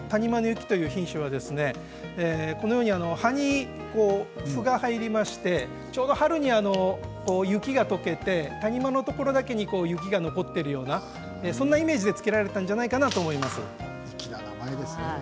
このように葉っぱにふが入りまして春に雪がとけて谷間のところだけに雪が残っているようなそういうイメージで付けられたんじゃないかなと思います。